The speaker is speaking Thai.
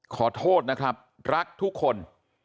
ขอโทษนะครับรักทุกคน